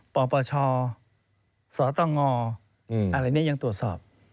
ปปชสตงอะไรนี้ยังตรวจสอบ